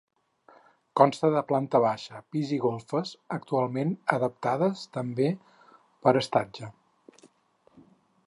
Consta de planta baixa, pis i golfes, actualment adaptades també per a estatge.